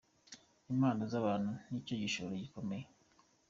Impano z’abantu ni cyo gishoro gikomeye.